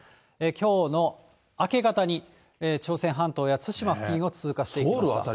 きょうの明け方に、朝鮮半島や対馬付近を通過していきました。